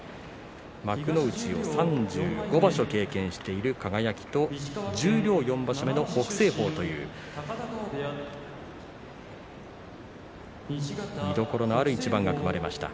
幕内３５場所経験している輝と十両４場所目の北青鵬という見どころのある一番が組まれました。